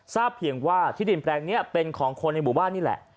เพียงว่าที่ดินแปลงนี้เป็นของคนในหมู่บ้านนี่แหละ